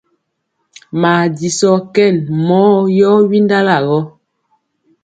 Maa jisɔɔ kɛn mɔɔ yɔ windala gɔ.